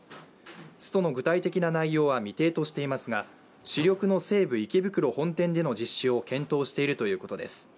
ストの具体的な内容は未定としていますが主力の西部池袋本店での実施を検討しているということです。